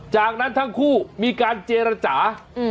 จากนั้นทั้งคู่มีการเจรจา